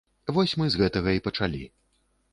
Вось мы з гэтага і пачалі.